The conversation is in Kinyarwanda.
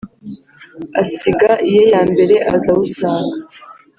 Asiga iye ya mbere aza awusanga!